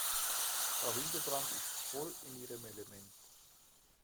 Frau Hildebrand ist voll in ihrem Element.